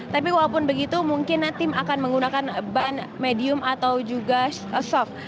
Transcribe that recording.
tapi walaupun begitu mungkin tim akan menggunakan ban medium atau juga soft